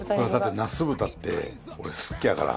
ナス豚って、俺、好きやから。